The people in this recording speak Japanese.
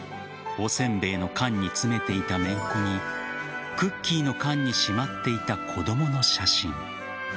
お煎餅の缶に詰めていためんこにクッキーの缶にしまっていた子供の写真。